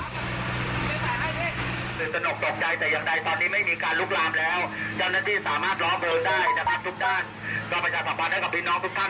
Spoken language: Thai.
แล้วก็มาเยียวยาเบื้องต้นให้กับพี่น้องทุกคนนะครับ